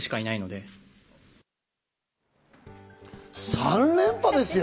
３連覇ですよ！